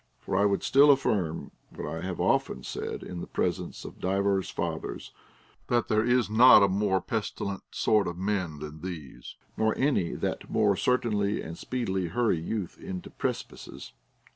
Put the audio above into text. For I would still affirm what I have often said in the presence of divers fathers, that there is not a more pestilent sort of men than these, nor any that more certainly and speedily hurry youth into precipices.